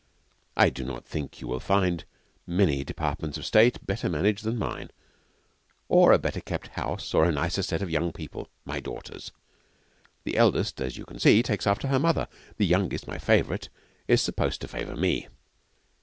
I do not think you will find many departments of State better managed than mine, or a better kept house, or a nicer set of young people ... My daughters! The eldest, as you can see, takes after her mother. The youngest, my favourite, is supposed to favour me.